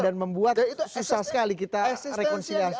dan membuat susah sekali kita rekonsiliasi